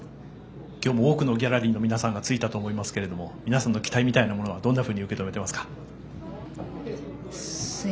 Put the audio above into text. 今日も多くのギャラリーの方がついたと思いますけど皆さんの期待みたいなものはどんなふうに受け止めていますか。